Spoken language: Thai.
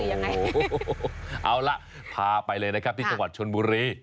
เอาล่ะพาไปเลยนะครับที่จังหวัดชนบุรี